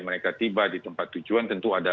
mereka tiba di tempat tujuan tentu ada